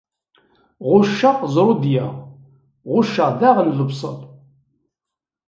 Ɣucceɣ ẓrudiya, ɣucceɣ daɣen lebṣel.